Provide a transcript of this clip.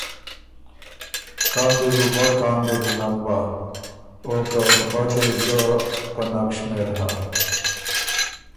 کان دې بُو بَۀ کان دې بُو نک بَۀ او که بَۀ دې ګۀ په نک شمېر هۀ۔